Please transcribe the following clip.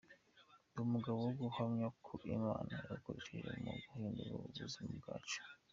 Ndi umugabo wo guhamya ko Imana yagukoresheje mu guhindura ubuzima bwacu.